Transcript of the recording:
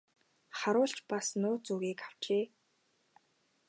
Харуул ч бас нууц үгийг авчээ.